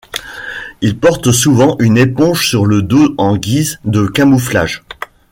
Il porte souvent une éponge sur le dos en guise de camouflage.